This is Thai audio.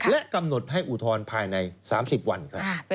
และกำหนดให้อุทธรณ์ภายใน๓๐วันครับ